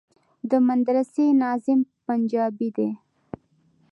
د مدرسې ناظم پنجابى دى.